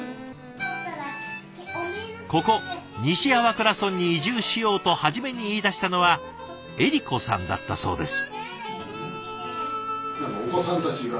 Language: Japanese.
ここ西粟倉村に移住しようと初めに言いだしたのはえり子さんだったそうです。